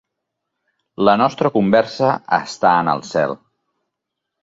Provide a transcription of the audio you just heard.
La nostra conversa està en el cel.